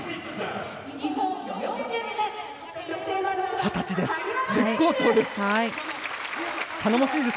二十歳です！